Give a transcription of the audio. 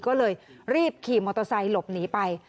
ก็เลยรีบขี่มอเตอร์ไซค์หลบหนีไป